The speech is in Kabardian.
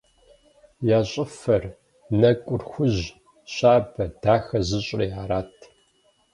Я щӏыфэр, нэкӏур хужь, щабэ, дахэ зыщӏри арат.